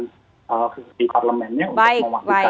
visi parlemennya untuk mewakilkan pengawasannya